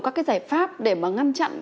các cái giải pháp để mà ngăn chặn